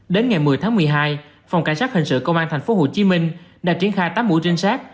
đến ngày một mươi tháng một mươi hai phòng cảnh sát hình sự công an tp hcm đã triển khai tám mũi trinh sát